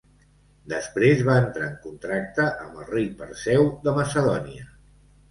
Després va entrar en contracte amb el rei Perseu de Macedònia.